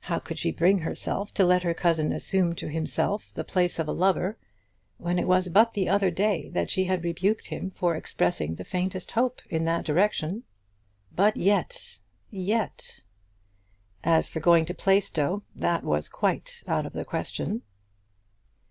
How could she bring herself to let her cousin assume to himself the place of a lover, when it was but the other day that she had rebuked him for expressing the faintest hope in that direction? But yet, yet ! As for going to Plaistow, that was quite out of the question.